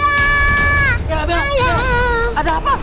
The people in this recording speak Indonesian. nggak ada apa